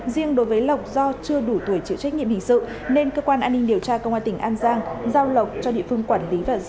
riêng đối với lộc do chưa đủ tuổi chịu trách nhiệm hình sự nên cơ quan an ninh điều tra công an tỉnh an giang giao lộc cho địa phương quản lý và giáo dục theo quy định